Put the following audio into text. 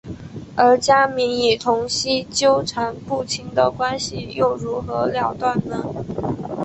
而家明与童昕纠缠不清的关系又如何了断呢？